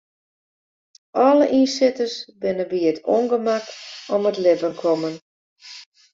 Alle ynsitters binne by it ûngemak om it libben kommen.